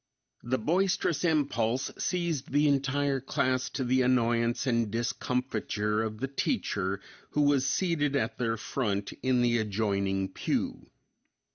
The boisterous impulse seized the entire class to the annoyance and discomfiture of the teacher, who was seated at their front in the adjoining pew.